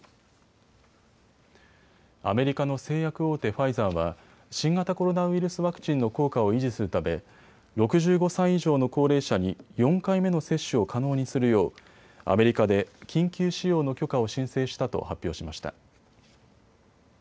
アメリカの製薬大手、ファイザーは新型コロナウイルスワクチンの効果を維持するため６５歳以上の高齢者に４回目の接種を可能にするようアメリカで緊急使用の許可を申請したと発表しました。